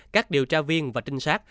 các điều tra viên và trinh sát